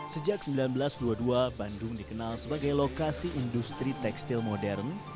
sejak seribu sembilan ratus dua puluh dua bandung dikenal sebagai lokasi industri tekstil modern